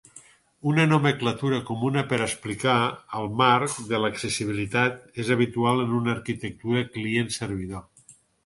Una nomenclatura comuna per explicar el marc de l'accessibilitat és habitual una arquitectura Client-servidor.